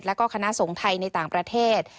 แล้วก็คณะสงฆ์ไทยในต่างประเทศ